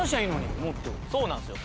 そうなんすよ